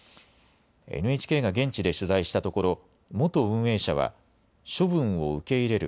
ＮＨＫが現地で取材したところ元運営者は処分を受け入れる。